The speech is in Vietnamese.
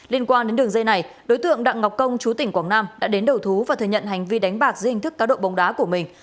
liên quan đến đường dây này đối tượng đặng ngọc công chú tỉnh quảng nam đã đến đầu thú và thừa nhận hành vi đánh bạc dưới hình thức cá độ bóng đá của mình